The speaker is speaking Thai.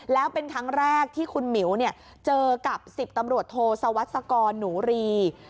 แล้วเป็นครั้งแรกที่คุณหมิ๋วเจอกับ๑๐ตำรวจโทสวัสกรหนูรี